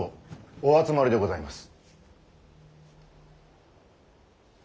お集まりでございます。